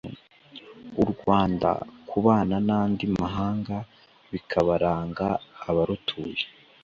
u rwanda kubana n’andi mahanga bikabaranga abarutuye